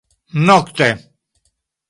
nokte